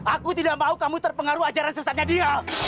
aku tidak mau kamu terpengaruh ajaran sesatnya dia